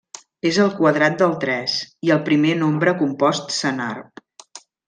És el quadrat del tres, i el primer nombre compost senar.